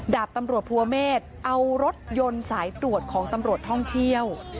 ดาบตำรวจภูเมฆเอารถยนต์สายตรวจของตำรวจท่องเที่ยว